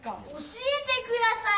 教えてください！